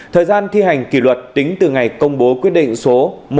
thời gian thi hành kỷ luật tính từ ngày công bố quyết định số một nghìn một